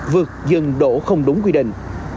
vượt dừng đổ không đúng quy định